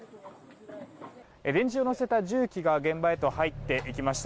電柱を載せた重機が現場へ運ばれて行きました。